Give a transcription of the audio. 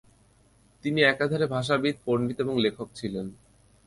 তিনি একাধারে ভাষাবিদ, পণ্ডিত এবং লেখক ছিলেন।